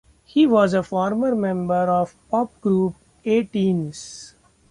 He was a former member of the pop group A-Teens.